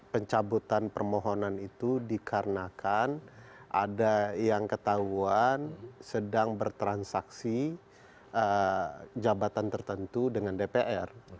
pencabutan permohonan itu dikarenakan ada yang ketahuan sedang bertransaksi jabatan tertentu dengan dpr